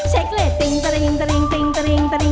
หลองทาริย์ดิา